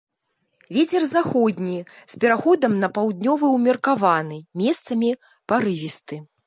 Вецер заходні з пераходам на паўднёвы ўмеркаваны, месцамі парывісты.